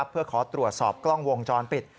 เพื่อขอตรวจสอบกล้องวงจรปิด